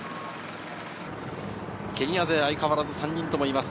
ケニア勢相変わらず３人ともいます。